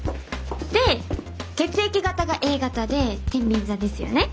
で血液型がＡ型でてんびん座ですよね？